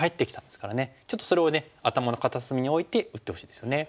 ちょっとそれをね頭の片隅に置いて打ってほしいですよね。